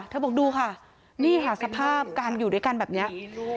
บอกดูค่ะนี่ค่ะสภาพการอยู่ด้วยกันแบบนี้